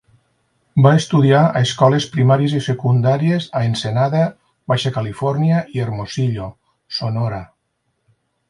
Va estudiar a escoles primàries i secundàries a Ensenada, Baixa Califòrnia i Hermosillo, Sonora.